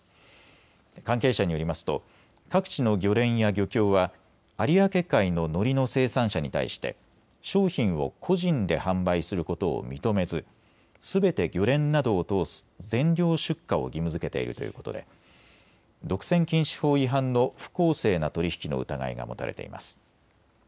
関係者によりますと各地の漁連や漁協は有明海ののりの生産者に対して商品を個人で販売することを認めずすべて漁連などを通す全量出荷を義務づけているということで独占禁止法違反の不公正な取り引きの疑いが持たれています。